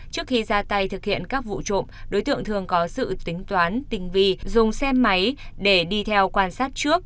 trước khi ra tay thực hiện các vụ trộm đối tượng thường có sự tính toán tình vi dùng xe máy để đi theo quan sát trước